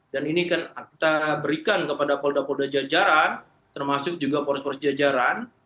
dan ini akan kita berikan kepada polda polda jajaran termasuk juga polis polis jajaran